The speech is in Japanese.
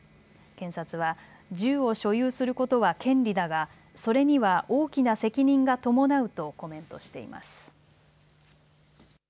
検察は銃を所有することは権利だが、それには大きな責任が伴うとコメントしています。